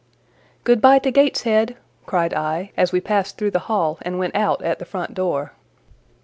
"Good bye to Gateshead!" cried I, as we passed through the hall and went out at the front door.